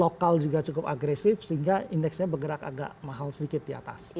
lokal juga cukup agresif sehingga indeksnya bergerak agak mahal sedikit di atas